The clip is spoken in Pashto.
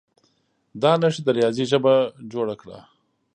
دا نښې د ریاضي ژبه جوړه کړه.